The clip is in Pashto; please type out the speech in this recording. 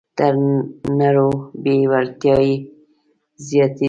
تر نورو یې وړتیاوې زیاتې دي.